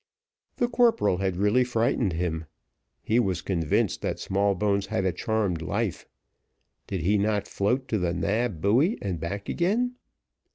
The corporal had really frightened him. He was convinced that Smallbones had a charmed life. Did he not float to the Nab buoy and back again?